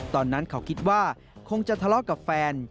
ตอนนั้นเขาคิดว่าคงจะทะเลาะกับแฟน